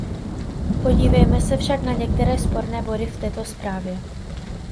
Podívejme se však na některé sporné body v této zprávě.